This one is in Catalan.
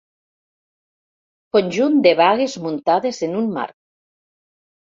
Conjunt de bagues muntades en un marc.